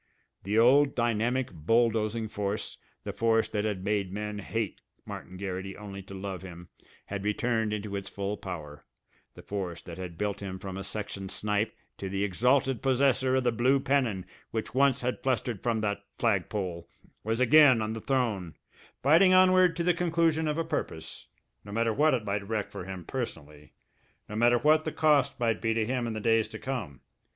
The old, dynamic, bulldozing force, the force that had made men hate Martin Garrity only to love him, had returned into its full power, the force that had built him from a section snipe to the exalted possessor of the blue pennon which once had fluttered from that flagpole, was again on the throne, fighting onward to the conclusion of a purpose, no matter what it might wreck for him personally, no matter what the cost might be to him in the days to come.